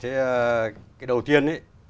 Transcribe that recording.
thì cái đầu tiên